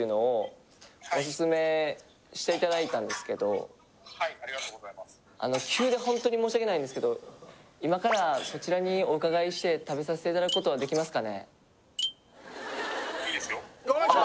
あの今今☎はいっていうのを急でホントに申し訳ないんですけど今からそちらにお伺いして食べさせていただくことはできますかね？